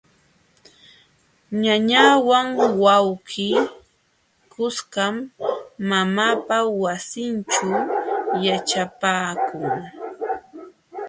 Ñañawan wawqii kuskam mamaapa wasinćhu yaćhapaakun.